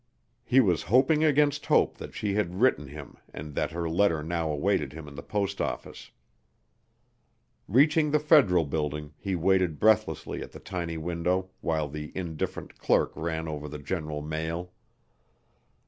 He was hoping against hope that she had written him and that her letter now awaited him in the post office. Reaching the Federal Building, he waited breathlessly at the tiny window while the indifferent clerk ran over the general mail.